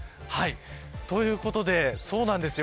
ということでそうなんですよ